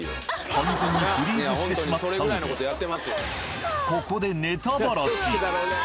完全にフリーズしてしまったのでここでうわ！